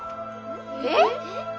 えっ！